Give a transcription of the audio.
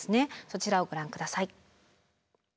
そちらをご覧ください。